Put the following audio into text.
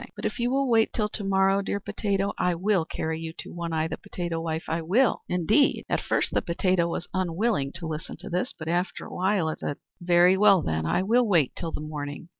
But if you will wait till to morrow, dear potato, I will carry you to One Eye, the potato wife I will, indeed!" At first the potato was unwilling to listen to this, but after a while it said: "Very well, then, I will wait till the morning.